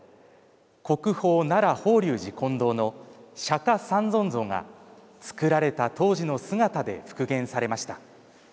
国宝奈良法隆寺金堂の釈三尊像が作られた当時の姿で復元されました。